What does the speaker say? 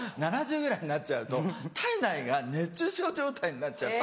７０ぐらいになっちゃうと体内が熱中症状態になっちゃって。